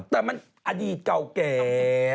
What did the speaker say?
แต่มันอดีตเก่าแก่